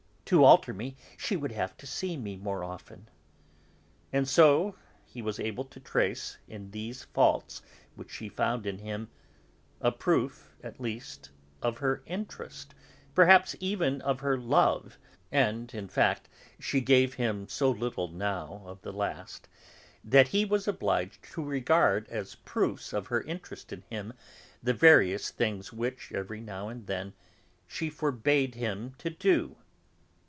To alter me, she will have to see me more often." And so he was able to trace, in these faults which she found in him, a proof at least of her interest, perhaps even of her love; and, in fact, she gave him so little, now, of the last, that he was obliged to regard as proofs of her interest in him the various things which, every now and then, she forbade him to do.